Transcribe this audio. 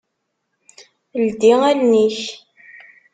Ldi allen-ik.